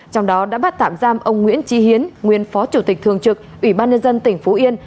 trong đó đã bắt tạm giam ông nguyễn trí hiến nguyên phó chủ tịch thường trực ủy ban nhân dân tỉnh phú yên